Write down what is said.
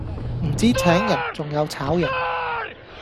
唔止請人仲有炒人